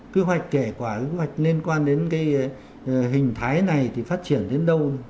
quy hoạch kể quả quy hoạch liên quan đến cái hình thái này thì phát triển đến đâu